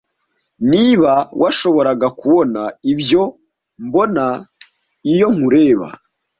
Niba washoboraga kubona ibyo mbona iyo nkureba,